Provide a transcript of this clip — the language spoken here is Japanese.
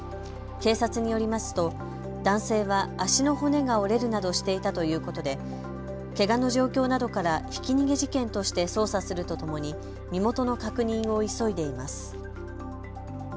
警察によりますと男性は足の骨が折れるなどしていたということでけがの状況などからひき逃げ事件として捜査するとともに身元の確認を急いでいます。